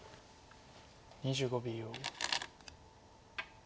２５秒。